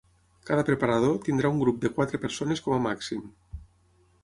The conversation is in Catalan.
Cada preparador tindrà un grup de quatre persones com a màxim.